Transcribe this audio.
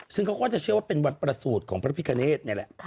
ซึ่งเขาก็จะเชื่อว่าเป็นวันประสูจน์ของพระพิคเนธนี่แหละ